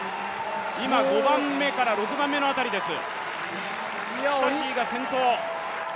今、５番目から６番目の辺りです。